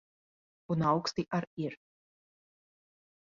Un auksti ar ir.